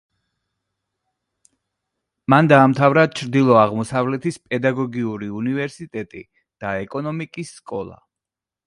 მან დაამთავრა ჩრდილო-აღმოსავლეთის პედაგოგიური უნივერსიტეტი და ეკონომიკის სკოლა.